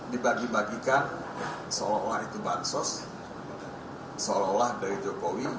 dibagi bagikan seolah olah itu bansos seolah olah dari jokowi